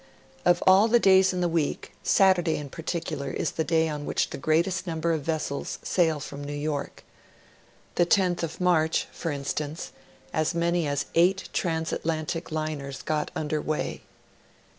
Of all the days in the week, Saturday, in particular, is the day on which the greatest number of vessels sail from New York. The 10th of March, for instance, as many as eight trans atlantic liners got under way.